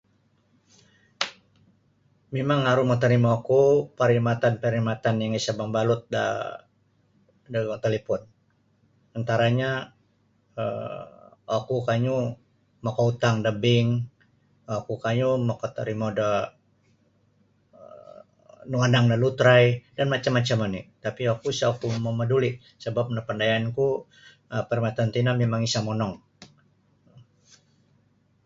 Mimang aru motorimoku perkhidmatan-perkhidmatan yang isa' mabalut da [unintelligible] talipon antaranyo um oku kanyu makautang da bank oku kanyu makatorimo da um nuwanang da lotrai dan macam-macam oni' tapi' oku isa' oku mamaduli' sabap napandayanku um perkhidmatan tino mimang isa' monong.